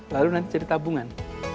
lalu nanti jadi tabungan